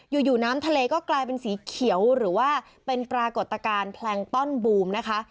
อยู่อยู่น้ำทะเลก็กลายเป็นสีเขียวหรือว่าเป็นปรากฏการณ์แพลงต้อนบูมนะคะ